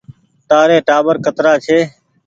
تآري ٽآٻر ڪترآ ڇي ۔